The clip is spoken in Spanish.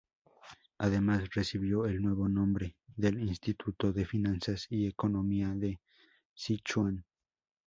Además, recibió el nuevo nombre de Instituto de Finanzas y Economía de Sichuan.